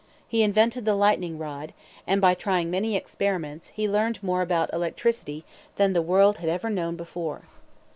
He invented the lightning rod, and, by trying many experiments, he learned more about electricity than the world had ever known before.